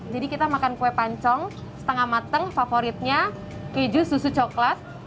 jadi kita makan kue pancong setengah matang favoritnya keju susu coklat